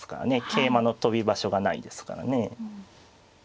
桂馬の跳び場所がないですからね。